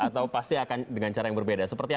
atau pasti akan dengan cara yang berbeda